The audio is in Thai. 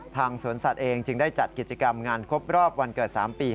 สวนสัตว์เองจึงได้จัดกิจกรรมงานครบรอบวันเกิด๓ปี